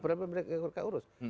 problem mereka yang harus diurus